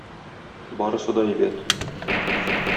Барысы да әйбәт.